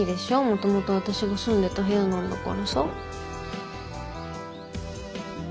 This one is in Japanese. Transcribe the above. もともと私が住んでた部屋なんだからさ。